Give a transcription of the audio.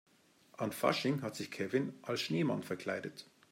An Fasching hat sich Kevin als Schneemann verkleidet.